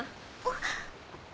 あっ。